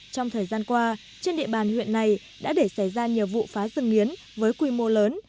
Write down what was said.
trong thời gian qua trên địa bàn huyện này đã để xảy ra nhiều vụ phá rừng nghiến với quy mô lớn